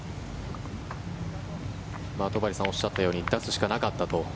戸張さんがおっしゃったように出すしかなかったと。